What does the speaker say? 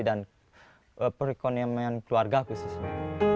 dan perekonomian keluarga khususnya